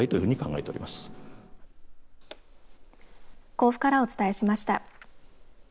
甲府からお伝えしました。